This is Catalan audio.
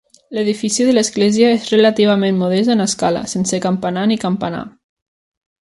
L'edifici de l'església és relativament modest en escala, sense campanar ni campanar.